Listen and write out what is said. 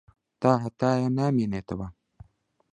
تاھەتایە نامێنێتەوە.